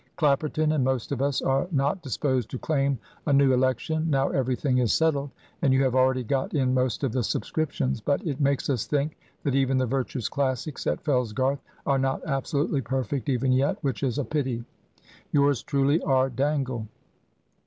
Clapperton and most of us are not disposed to claim a new election, now everything is settled, and you have already got in most of the subscriptions. But it makes us think that even the virtuous Classics at Fellsgarth are not absolutely perfect even yet which is a pity. "Yours truly, "R. Dangle."